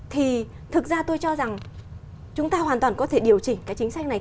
thì thực ra tôi cho rằng chúng ta hoàn toàn có thể điều chỉnh cái chính sách này